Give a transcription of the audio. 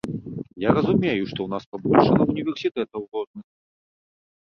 Я разумею, што ў нас пабольшала універсітэтаў розных.